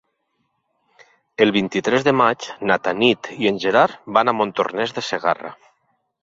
El vint-i-tres de maig na Tanit i en Gerard van a Montornès de Segarra.